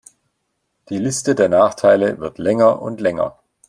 Die Liste der Nachteile wird länger und länger.